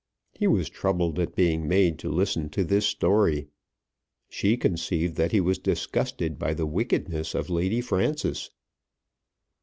He was troubled at being made to listen to this story. She conceived that he was disgusted by the wickedness of Lady Frances.